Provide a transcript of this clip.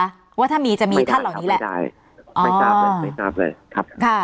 ไม่ได้ครับไม่ได้ไม่ทราบเลยครับ